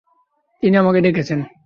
তিনি আমাকে ডেকেছেন।